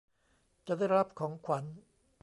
จะได้รับของขวัญ